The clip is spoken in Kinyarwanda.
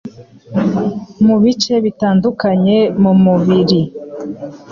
mu bice bitandukanye mu mubiri